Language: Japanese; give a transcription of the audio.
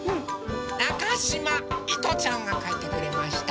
なかしまいとちゃんがかいてくれました。